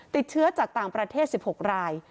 ติดเชื้อจากต่างประเทศ๑๖ราย